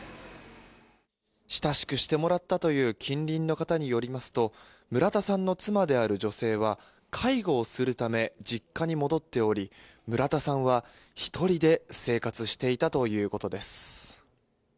親しくしてもらったという近隣の方によりますと村田さんの妻である女性は介護をするため実家に戻っており村田さんは１人で生活していたということです。